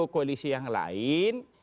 tiga koalisi yang lain